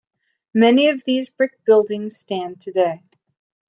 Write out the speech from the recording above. Many of these brick buildings stand today.